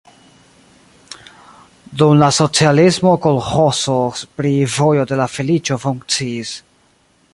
Dum la socialismo kolĥozo pri "Vojo de la Feliĉo" funkciis.